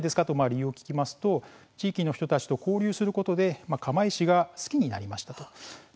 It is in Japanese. なんでですか？という話を聞きますと地域の人たちと交流することで釜石が好きになりました。